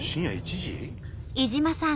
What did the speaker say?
井島さん